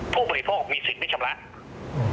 ผู้บริโภคมีสิทธิ์ได้ชำระ